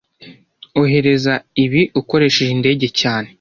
Ohereza ibi ukoresheje indege cyane